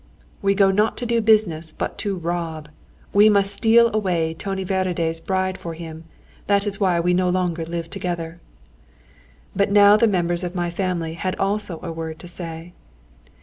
"We go not to do business, but to rob. We must steal away Tony Várady's bride for him. That is why we no longer live together." But now the members of my family had also a word to say.